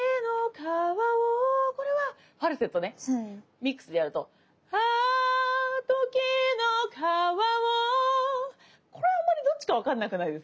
ミックスでやるとああときのかわをこれあんまりどっちか分かんなくないですか？